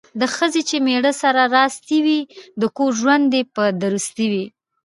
د ښځې چې میړه سره راستي وي ،د کور ژوند یې په درستي وي.